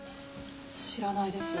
知らないです。